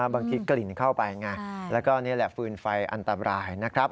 กลิ่นเข้าไปไงแล้วก็นี่แหละฟืนไฟอันตรายนะครับ